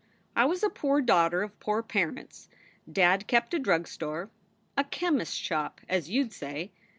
I was a poor daughter of poor parents. Dad kept a drug store a chemist s shop as you d say.